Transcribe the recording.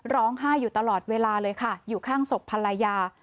ร้องไห้อยู่ตลอดเวลาเลยค่ะอยู่ข้างศพภรรยา